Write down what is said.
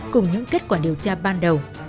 cùng những kết quả điều tra ban đầu